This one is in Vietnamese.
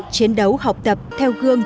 chiến đấu học tập theo gương